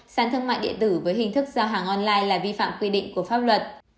sàn thương mại điện tử với hình thức giao hàng online là vi phạm quy định của pháp luật